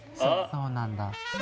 そうなんだ